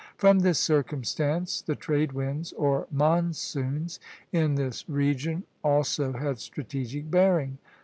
From this circumstance the trade winds, or monsoons, in this region also had strategic bearing.